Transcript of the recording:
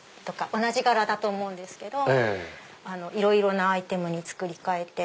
同じ柄だと思うんですけどいろいろなアイテムに作り替えて。